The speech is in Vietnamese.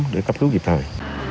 để cấp cứu kịp thời